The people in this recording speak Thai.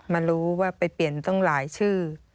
มารู้ว่าไปเปลี่ยนต้องหลายชื่อ